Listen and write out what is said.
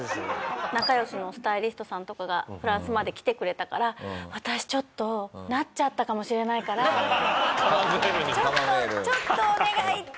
仲良しのスタイリストさんとかがフランスまで来てくれたから「私ちょっとなっちゃったかもしれないからちょっとちょっとお願い